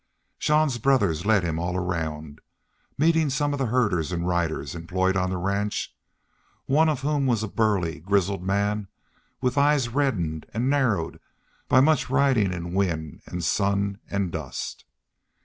Jean's brothers led him all around, meeting some of the herders and riders employed on the ranch, one of whom was a burly, grizzled man with eyes reddened and narrowed by much riding in wind and sun and dust.